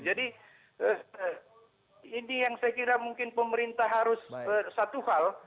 jadi ini yang saya kira mungkin pemerintah harus satu hal